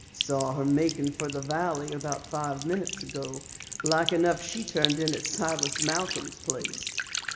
"Saw her making for the valley about five minutes ago. Like enough she turned in at Silas Malcom's place."